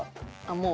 もう。